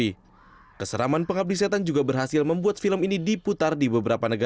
oke kita akan jadah dulu kami akan kembali pemirsa sesaat lagi